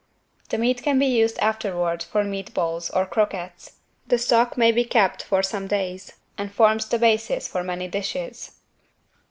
The meat can be used afterward for meat balls or =Croquettes=. The stock may be kept for some days and forms the basis for many dishes.